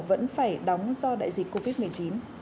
vẫn phải đóng do đại dịch covid một mươi chín